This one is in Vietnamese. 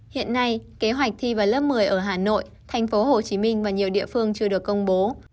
hiện nay kế hoạch thi vào lớp một mươi ở hà nội thành phố hồ chí minh và nhiều địa phương chưa được công bố